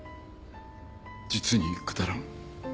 実にくだらん。